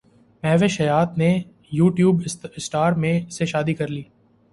مہوش حیات نے YouTube star سے شادی کرلی